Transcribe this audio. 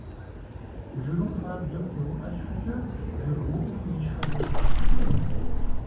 Жыгым хуабжьу теуIуэ щхьэкIэ, жыгыуIум и щхьэр узыркъым.